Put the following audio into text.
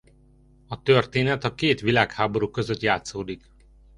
A történet a két világháború között játszódik.